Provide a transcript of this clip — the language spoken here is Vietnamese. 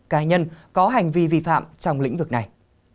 cá nhân có hành vi vi phạm trong lĩnh vực này